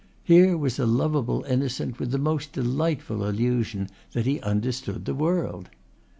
Here was a lovable innocent with the most delightful illusion that he understood the world.